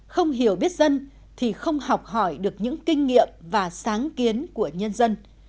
không hiểu biết dân thì không học hỏi được những kinh nghiệm và sáng kiến của nhân dân